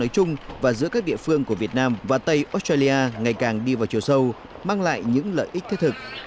trung và giữa các địa phương của việt nam và tây australia ngày càng đi vào chiều sâu mang lại những lợi ích thật thực